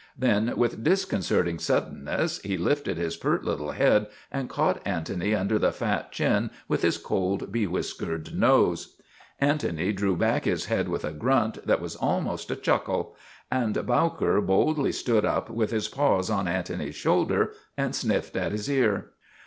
Then, with disconcerting suddenness, he lifted his pert little head and caught Antony under the fat chin with his cold, bewhiskered nose. Antony drew back his head with a grunt that was almost a chuckle, and Bowker boldly stood up with his paws on An tony's shoulder and sniffed at his ear.